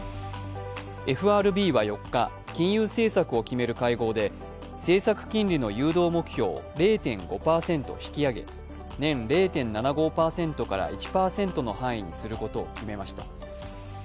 ＦＲＢは４日、金融政策を決める会合で政策金利の誘導目標を０．５％引き上げ年０．７５％から１％の範囲にすることを決めました。